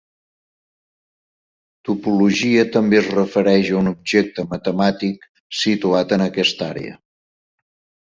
Topologia també es refereix a un objecte matemàtic situat en aquesta àrea.